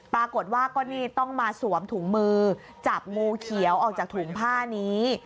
ปรากฏว่าก็นี่ต้องมาสวมถุงมือจับงูเขียวออกจากถุงผ้านี้